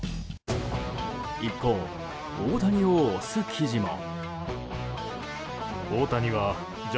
一方、大谷を推す記事も。